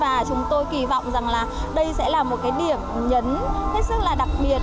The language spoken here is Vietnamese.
và chúng tôi kỳ vọng rằng là đây sẽ là một cái điểm nhấn hết sức là đặc biệt